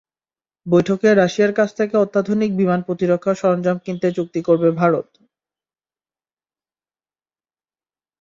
বৈঠকে রাশিয়ার কাছ থেকে অত্যাধুনিক বিমান প্রতিরক্ষা সরঞ্জাম কিনতে চুক্তি করবে ভারত।